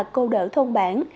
câu đỡ thôn bản